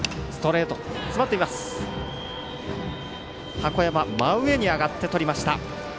箱山、真上に上がってとりました。